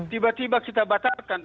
tiba tiba kita batalkan